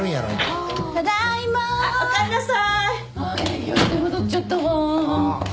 営業に手間取っちゃったわ。